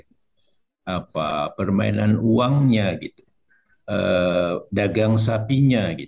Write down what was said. tapi ada permainan uangnya dagang sapinya